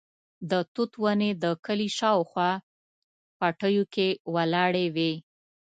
د توت ونې د کلي شاوخوا پټیو کې ولاړې وې.